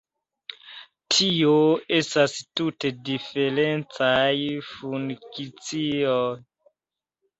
Tio estas tute diferencaj funkcioj.